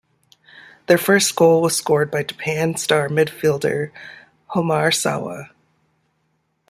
Their first goal was scored by Japan star midfielder Homare Sawa.